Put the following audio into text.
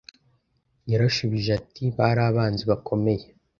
Yarashubije ati Bari abanzi bakomeye